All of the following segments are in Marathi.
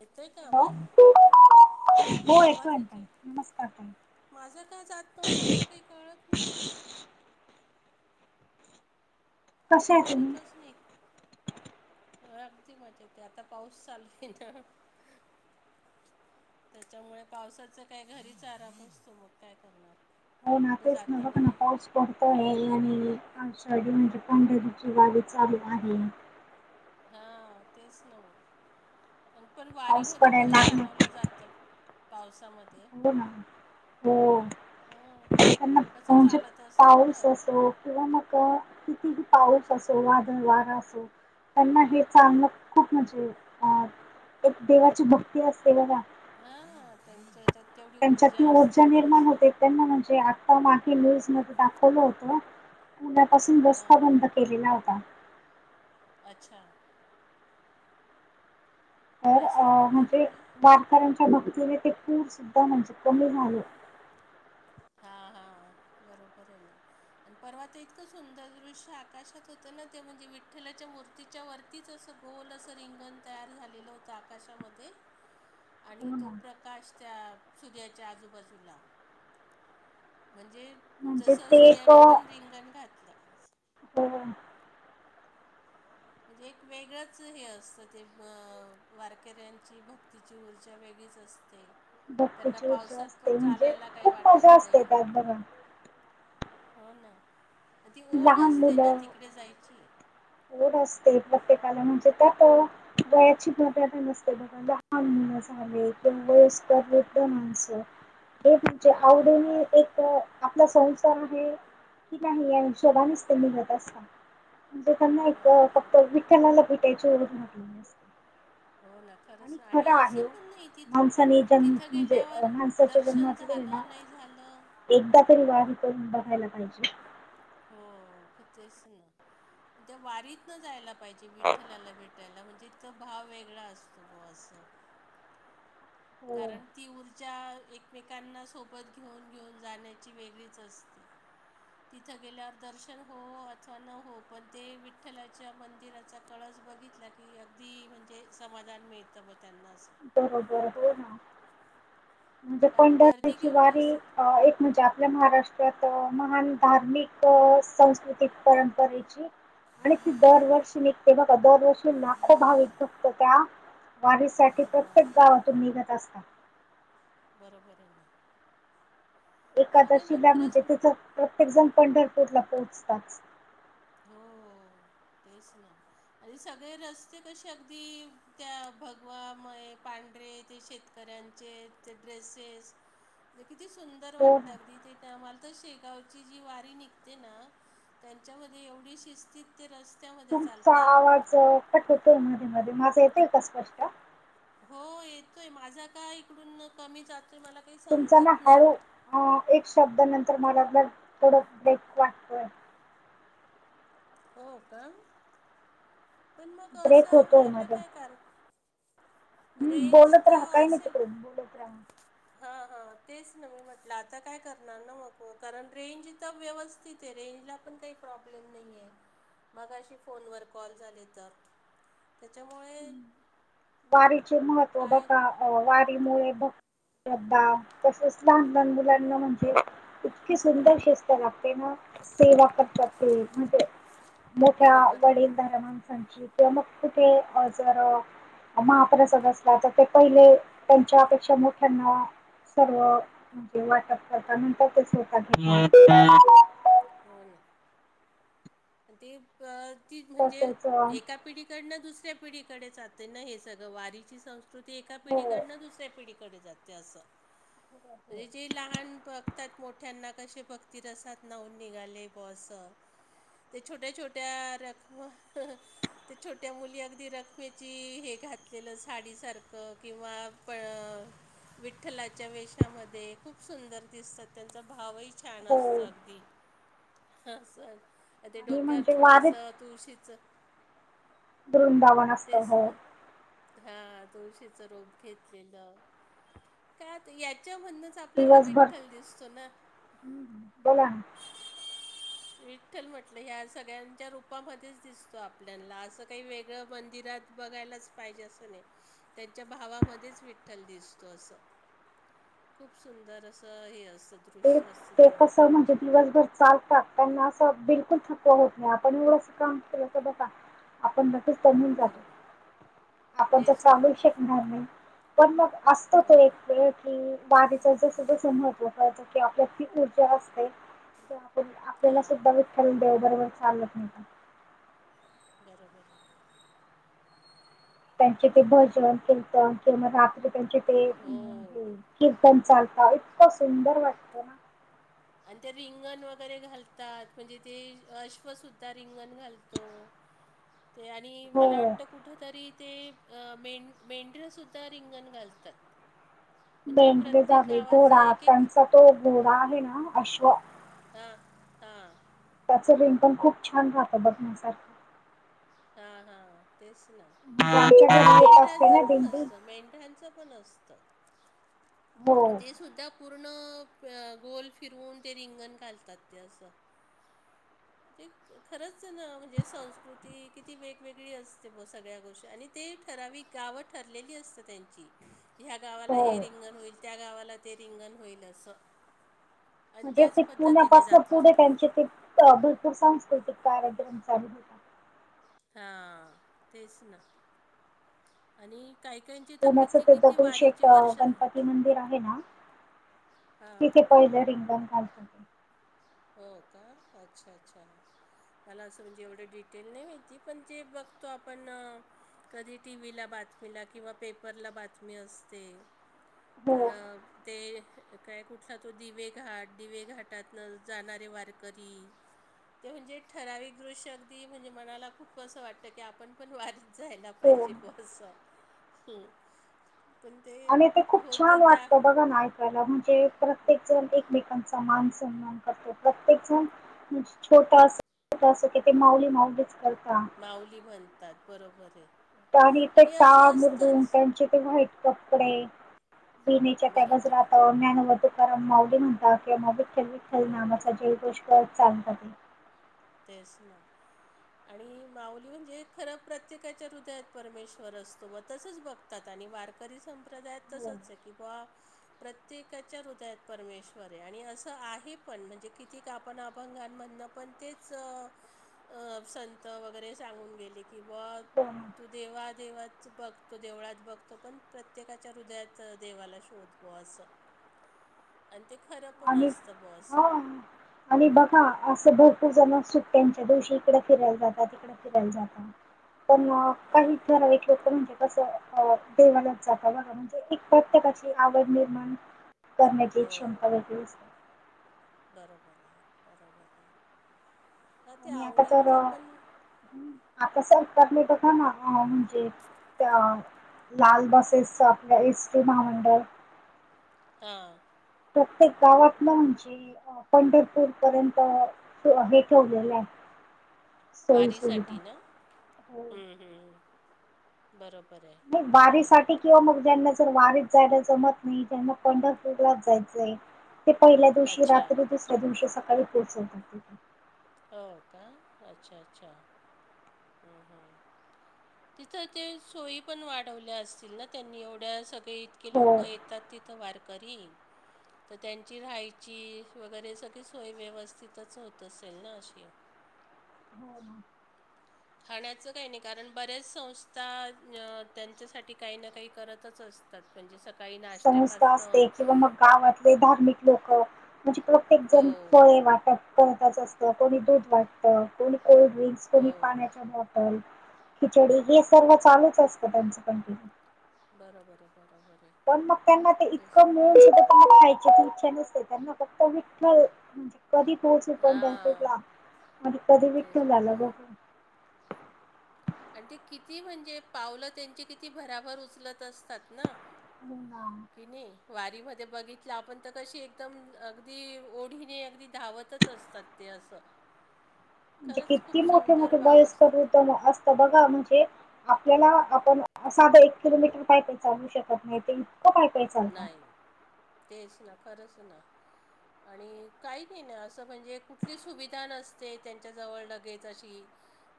येतोय का हॅलो आवाज? हो ऐकू आहे तई नमस्कार ताई. [unintelligible] माझं का जात नव्हतं मला काही कळत नव्हतं. ते कशा आहे तुम्ही? समजतच नाही. अगदी मजा येत आता पाऊस चालू आहे ना, त्याच्यामुळे पावसाचा काय घरीच आराम असतो मग काय करणार. हो ना कुठे तेच न जाता बघ ना, नाही येत. पाऊस पडतोय आहे आणि आषाढी म्हणजे पंढरीची वारी चालू आहे. हा तेच ना म आणि पण वारी पाऊस मध्ये पडायला बरंच लागला चालवलं जात पावसामध्ये. हो ना हो हा त्यांना कसं म्हणजे चालत असतील ना. पाऊस असो किंवा मग किती पाऊस असो वादळ वार असो त्यांना हे चांगलं खूप म्हणजे अ एक देवाची भक्ती असते बघा हा त्यांच्या हच्यात तेवढी त्यांच्यात ती ऊर्जा असते बुआ निर्माण अस. होते त्यांना म्हणजे आता मागे न्यूज मध्ये दाखवलं होत पुला पासून हा रस्ता बंद. ते गेला होता. अच्छा. तर अ रस्ता बंद म्हणजे वारकऱ्यांच्या, भक्तीने ते पूर सुद्धा म्हणजे कमी झाले. हां हां बरोबर हे ना, आण पर्वा ते इतकं सुंदर दृश्य आकाशात होतं ना, ते म्हणजे विठ्ठलाच्या मूर्त तिच्या वरतीच असं गोल असं रिंगण, तयार झालेलं होतं आकाशामध्ये. आणि हो तो ना प्रकाश त्या सूर्याच्या आजूबाजूला. म्हणजे म्हणजे जसं ते एक सूर्याने पण रिंगण घातलं. हो. म्हणजे एक वेगळंच हे असतं ते ह वारकेऱ्यांची, भक्तीची ऊर्जा वेगळीच असते. ते त्यांना भक्तीची ऊर्जा पावसात पण असते म्हणजे चालायला काही खूप मजा वाटत असते नाही. त्यात बघा हो ना अ ती ओढ लहान असते ना तिकडे जायची. होड असते प्रत्येकाला म्हणजे त्यात वयाची म नसते बघ. [unintelligible] [unintelligible] जे हो ना आवडीने एक. आपला संसार आहे कि नाही या शोगनेच ते निघत असत. त्यांना एक बरोबर आहे फक्त विठ्ठणाला भेटायची, हो ना खरंच आणि खरं असं आहे ओ पण नाही तिथ माणसाने जन्म तिथं म्हणजे गेल्यावर माणसाच्या दर्शन जन्मातून ना झालं नाही झालं एकदा तरी वाह कर बघायला पाहिजे हो तेच ना त्या वारीत न जायला पाहिजे विठ्ठलाला भेट भटयला म्हणजे इथं भाव वेगळा असतो गो असं हो कारण ती ऊर्जा एकमेकांना सोबत घेऊन घेऊन जाण्याची वेगळीच असते. तिथं गेल्यावर दर्शन हो अथवा न हो पण ते विठ्ठलाच्या मंदिराचा कळस बघित की अगदी म्हणजे समाधान मिळतं ब त्यांना असं. [unintelligible] म्हणजे कारण गर्दी पंढरीची केवढी वारी असते एक म्हणजे आपल्या महाराष्ट्र. त्यात महान धार्मिक सांस्कृतिक परंपरेची. आणि ती दरवर्षी निघते बघ दरवर्षी नाखो भाविक दुखत त्या. वारीसाठी प्रत्येक हां गावातून निघत असतात. बरोबर आहे ना? सगळं एकादशी ना लॅब खरंच म्हणजे तिथं प्रत्येक जण पंढरपूरला पोहोचतात. हो तेच ना आणि सगळे रस्ते कसे अगदी त्या भगवा मये पांढरे ते शेतकऱ्यांचे ते ड्रेसेस ते किती सुून दर हो वाटत ना अगदी ते आमला तर शेगावची जी वारी निघते ना त्यांच्यामध्ये एवढीशी स्थित ते रस्त्यामध्ये तुमचा चालतात आवाज कट होतोय मध्ये मध्ये माझं येतय का स्पष्ट हो येतोय माझा का इकडून कमी जातोय मला काही तुमचा ना समजत नाही हळू एक शब्दानंतर मला थोडं बेक वाटतोय. हो का? पण मग ब्रेक असं होतोय व्हायला मध्ये काय कारण. हम्म रेंज बोलत तर राहा काही नाही असेल. तिकडे बोलत राहा. हां हां तेच ना मी म्हटलं आता काय करणार ना मग कारण रेंज तर व्यवस्थित आहे रेंजला, ण काही प्रॉब्लेम नाही म अ फोनवर कॉल झा तर. त्याच्यामुळे वारीचे महत्त्व काय बका वारीमुळे शधा तसेच लहान लान मुलांना म्हणजे इतकी सुंदर शिस्त लागते ना सेवा करतात ते म्हणजे मोठ्या बरोबर आहे ना वडील धर्मांसांची किंवा मग कुठे जर महाप्रसाद असला तर ते पहिले त्यांच्यापेक्षा मोठ्यांना सर्व म्हणजे वाटप करता म्हणतात तेच होत घ हो ना आणि ती प ती म्हणजे तसेच अं, एका पिढीकडनं दुसऱ्या पिढीकडे जात ना हे सगं वारीची संस्कृती एका हो हो पिढीकडन दुसऱ्या पिढी- म्हणजे लहान त्यात मोठ्यांना कसे भक्त रसात नाऊन निघाले बॉस ते छोट्या छोट्या रखव ते छोट्या मुली अगदी रूखमायेची हे घातलेलं साडीसारखं किंवा पण विठ्ठलाच्या वेषामध्ये खूप सुंदर दिसतात त्यांचा भावही छान हो असतं अगदी ह असं ते आणि डोक्यावर म्हणजे वारी छोटस तुळशीच वृंदावन असतं हो. ना हां तुळशीचं रोप घेतलेलं का त याच्या मधंन च आपल्याला दिवसभर विठ्ठल दिसतो ना. बोला ना विठ्ठल म्ह टलं ह्या सगळ्यांच्या रूपामध्येच दिसतो आपल्यानला, असं काही वेगळं मंदिरात बघायलाच पाहिजे असं नाही त्यांच्या भावामध्येच विठ्ठल दिसतो असं. खूप सुंदर असं हे अस ते ते कस त म्हणजे दिवसभर चालता त्यांना असं बिलकुल थकवा होत नाहीं. आपण एवढं काम केलं का बघा आपण लगेच दमून जातो, बरोबर आपणं त तेच ना चालुही शकणारं नाहीं. पण मग असतं हो ते एक ना वेळ की वारीच जसं जसं महत्व कळतं की आपल्यात ती ऊर्जा असते, की आपण आपल्याला सुद्धा हां वि ठ्ठल देव बरोबर चालतं नेतो. बरोबर आहे. त्यांचे ते भजन कीर्तन किंवा रात्री त्यांचे ते हे हो कीर्तन चालता इतकं सुंदर वाटत ना. आण ते रिंगण वगैरे घालतात म्हणजे ते अश्वसुद्धा रिंगण घालतो. [inaudible] ते आणि मला हो वाटतं कुठं ठ तरी ते अ मेंढ मेंढऱ्य सुद्धा रिंगण घालतात. म्हणजे मेंढरे प्रत्येक झाली, गावाचं घोडा, एक एक त्यांचा तो घोडा आहे ना अश्व हां हां. त्याच रिंगण खूप छान राहतं बघण्यासारखं. का हा तेच ना जे आमच्या आण ते घरी येत असते मेंढऱ्यांचं ना पण दिंडी असतं मेंढ्यांचं पण अस त हो ते सुद्धा पूर्ण अ गोल अ फिरून ते रिंगण घालतात ते असं. ते खरंच ना म्हणजे संस्कृती किती वेगवेगळी असते बा सगळ्या गोष्टी आणि ते ठरावीक गावं ठरलेली असतां त्यांची ह्या गावाला हो हे रिंगण होईल त्या गावाला ते रिंगण होईल असं. आणि म्हणजे त्याच ते पद्धतीने पुण्यापासन पुढे जातात त्यांचे ते अ भरपूर सांस्कृतिक कार्यक्रम चालू अ हां तेच ना आणि काही कायींचे तर पुण्याचं किती ते किती वारीचे दगडूशेठ अ, वर्ष झाले गणपती मंदिर आहे ना हां. तिथे पहिले रिंगण घालतात. हो का? अच्छा अच्छा. मला असं म्हणजे एवढं डिटेल नाही माहिती पण जे बघतो आपण अ कधी टी व्ही ला बातमीला किंवा पेपरला बातमी असतें. हो तर ते काय कुठला तो दिवे घाट दिवे घाटातन जाणारे वारकरी ते म्हणजे ठराविक दृश्य अगदी म्हणजे मनाला खूप असं वाटतं की आपण पण वारी जायला हो पाहिजे बॉ अस पण ते आणि ते खूप होतं छान त्या वाटतं बघा ना ए म्हणजे प्रत्येक जण एकमेकांचा मान सन्मान करतो प्रत्येक जण छोट अस अस की ते माऊली माऊलीच करता. माऊली म्हणतात बरोबर आहे. आणि ते टाळ असं मृदंग असतंच त्यांचे ते व्हाईट कपडे [unintelligible] बरोबर आहे ज्ञानोबा तुका कारण माऊली म्हणता कि मा विठ्ठल विठ्ठल नामाचा हो जयघोष कर चालत ते. तेच ना. आणि माऊली म्हणजे ए खरां प्रत्येकाच्या हृदयात परमेश्वर असतो बा तसंच बघ तात आणि वारकरी संप्रदायात हो तसंच आहे की बॉ प्रत्येकाच्या हृदयात परमेश्वर आहे आणि असं आहे पण म्हणजे किती आपण अभंगांमधनं पण तेच संत वगैरे सांगून गेले की ब हो ना. तु देवादेवाच बघतो देवळात बघतो पण प्रत्येकाच्या हृदयात देवाला शोध बो असं [unintelligible] आणि ते खरं पण आणि असतं बसं हा आणि बघा असं भरपूर जण सुट्ट्यांच्या दिवशी इकडे फिरायला जातात तिकडे फिरायला जातात पण काही हां जरा वट होत म्हणजे कसं अ देवालयात जाता बघा म्हणजे एक प्रत्येकाची आवड निर्माण करण्याची एक हो क्षमता वेगळी असते. बरोबर आहे बरोबर आहे हा ते आणि आता आवडीन तर अ, सर पण हं, आता सरकारले बघ ना म्हणजे लाल बसेसच आपल्या एस टी महामंडळ हां प्रत्येक गावात ना म्हणजे पंढरपूर पर्यंत हे ठेवलेलं आहे सोयी सुविधा. वारीसाठी ना हो. बरोबर आहे म बारीसाठीठी वारीसाठी किंवा मग ज्यांना वारीत जायला जमत नाही म पंढरपूरलाच जायचंय ते पहिल्या दिवशी अच्छा रात्री दुसऱ्या दिवशी सकाळी पोहोचवतातथ हो का अच्छा अच्छा हम हा तिथं ते सोयी पण वाढवल्या असतील ना त्यांनी एवढ्या सगळे इतके हो लोक येतात तर वारकरी तर त्यांची राहायची वगैरे सगळी सोय व्यवस्थितच होत असेल ना अशी हम खाण्याचं काही नाही कारण बऱ्याच संस्था त्यांच्यासाठी काही ना काही करतच असते तात म्हणजे सकाळी संस्था असते नाष्ट्त्यापासनं किंवा मग गावातले धार्मिक लोक म्हणजे प्रत्येक जण हो फळे वाटत करतच असतं कोणी दूध वाटतं कोणी कोल्ड ड्रिंक्स हो कोणी पाण्याच्या खिचडी हे सर्व चालूच असतं त्यांचं कंटिन्यू बरोबर आहे बरोबर आहे पण मग त्यांना ते तेच इतकं मळ खायची त इच्छा नसते त्यांना फक्त विठ्ठल म्हणजे कधी पोहोचू पण पंढरपूर हां ला म्हण कधी तेच विठ्ठलाला झालं बघून आणि ते किती म्हणजे पावलं त्यांची किती भराभर उचलत असतात ना हो ना की नाही वारीमध्ये बघितलं आपण तर कशी एकदम अगदी ओढीने अगदी धावतच असतात ते असं म्हणजे खरंच किती खूप मोठे सुंदर मोठे भाव असतो वयस्कर ते उत असता बघा म्हणजे आपल्याला आपण साधा एक किलोमीटर काय प चालू शकत नाही ते इतकं काय नाही तेच ना खरंच ना आणि काही नाही ना असं म्हणजे कुठली सुविधा नसते त्यांच्या जवळ लगेच अशी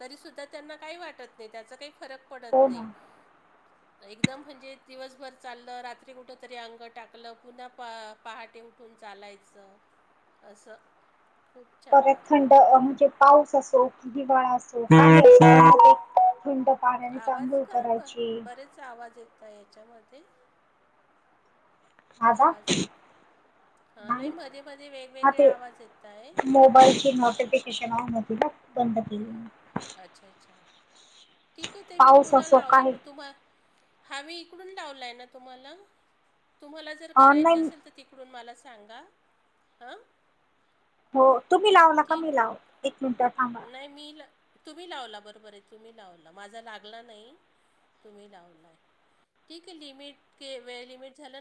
तरी सुुद्धा त्यांना काही वाटत नाही त्याचा काही फरक हो ना म्हण कुठ तरी अंग टाकलं पुन्हा पहाटे उठून चालायचं अससं परत थंड म्हणजे पाऊस असो क हिवाळा असो थंड कार्याने आवाज चांदूव काय ब करायची बरेच आवाज येत नाही. याच्यामध्ये, आला. आवाज हां नाही. मध्ये मध्ये हा वेगवेगळे ते आवाज येत आहे मोबाईलची नोटिफिकेशन आली होती ना. बंद हा. केली. अच्छा, अच्छा ठीक आहे. ते मी पाऊस पुन्हा असो लावेल काही मग तुम्हाला हा मी इकडून लावलाय ना तुम्हाला, तुम्हाला जर करायच ऑनलाईन असेल तर, तिकडून मला सांगा हं. हो, तुम्ही लावू नका. मी ठीक आहे लावेन एक मिनिटात थांबा. नाही मी ल तुम्ही लावला बरोबर आहे. तुम्ही लावला माझा लागला नाही तुम्ही लावलाय. ठीक लिमिट के व लिमिट झालना.